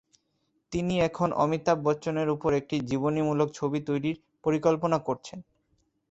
তিনি এখন অমিতাভ বচ্চন-এর উপর একটি জীবনীমূলক ছবি তৈরির পরিকল্পনা করছেন।